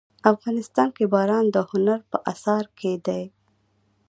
افغانستان کې باران د هنر په اثار کې دي.